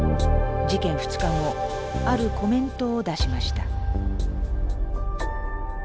事件２日後あるコメントを出しました。